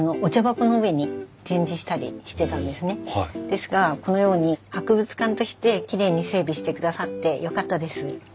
ですがこのように博物館としてきれいに整備してくださってよかったです。